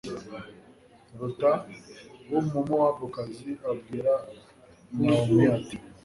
ruta w'umumowabukazi abwira nawomi, ati